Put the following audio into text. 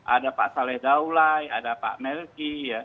ada pak saleh daulai ada pak melki